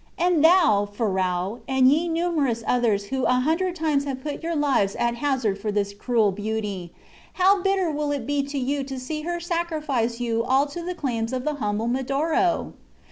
And thou, Ferrau, and ye numerous others who a hundred times have put your lives at hazard for this cruel beauty, how bitter will it be to you to see her sacrifice you all to the claims of the humble Medoro!